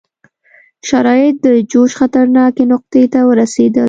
شرایط د جوش خطرناکې نقطې ته ورسېدل.